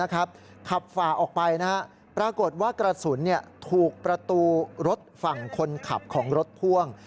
ขับฝ่าออกไปปรากฏว่ากระสุนถูกประตูรถฝั่งคนขับของรถพ่วง